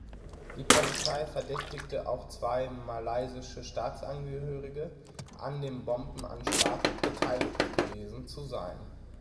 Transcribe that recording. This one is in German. Die Polizei verdächtigte auch zwei malaysische Staatsangehörige, an dem Bombenanschlag beteiligt gewesen zu sein.